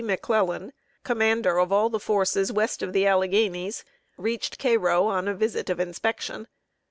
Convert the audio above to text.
McClellan, commander of all the forces west of the Alleghanies, reached Cairo on a visit of inspection.